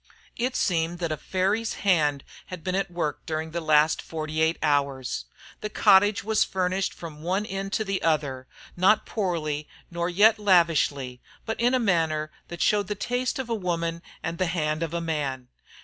It seemed that a fairy's hand had been at work during the last forty eight hours. The cottage was furnished from one end to the other, not poorly nor yet lavishly, but in a manner that showed the taste of a woman and the hand of a man.